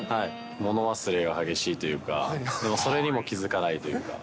物忘れが激しいというか、それにも気付かないというか。